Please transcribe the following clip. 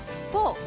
そう！